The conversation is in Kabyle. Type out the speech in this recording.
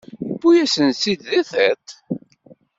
Yewwi-yasen-tt-id di tiṭ.